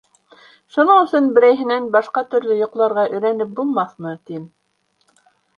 Шуның өсөн берәйһенән башҡа төрлө йоҡларға өйрәнеп булмаҫмы, тим.